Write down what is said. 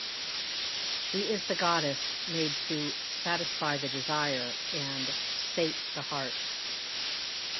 She is the goddess made to "satisfy the desire" and "sate the heart.